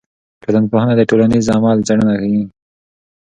ټولنپوهنه د ټولنیز عمل څېړنه کوي.